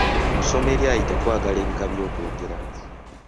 Mu ssomo eryayita twalaba ebika by’okwogera.